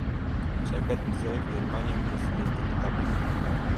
Shavkat Mirziyoyev Germaniya Prezidentini tabrikladi